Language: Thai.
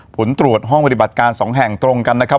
ผลตรวจห้องปฏิบัติการ๒แห่งตรงกันนะครับ